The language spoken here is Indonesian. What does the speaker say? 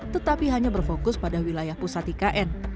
tetapi hanya berfokus pada wilayah pusat ikn